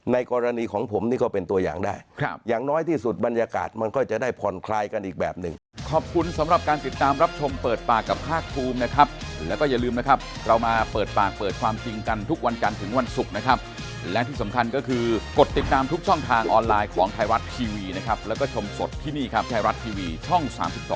กรณีของผมนี่ก็เป็นตัวอย่างได้อย่างน้อยที่สุดบรรยากาศมันก็จะได้ผ่อนคลายกันอีกแบบหนึ่ง